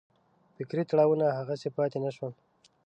فکري تړاوونه هغسې پاتې نه شول.